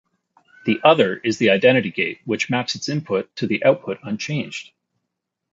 The other is the identity gate, which maps its input to the output unchanged.